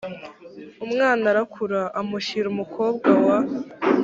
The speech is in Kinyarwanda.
umwana arakura amushyira umukobwa wa